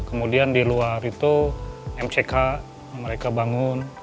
kemudian di luar itu mck mereka bangun